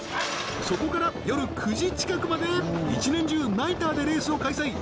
そこから夜９時近くまで１年中ナイターでレースを開催